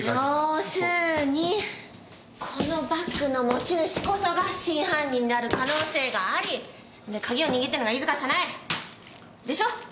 要するにこのバッグの持ち主こそが真犯人である可能性がありでカギを握ってるのが飯塚早苗！でしょ？